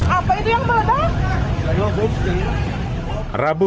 apa itu yang berada